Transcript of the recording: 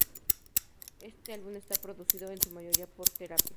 Este álbum está producido en su mayoría por Therapy.